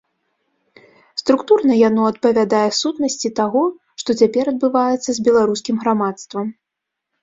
Структурна яно адпавядае сутнасці таго, што цяпер адбываецца з беларускім грамадствам.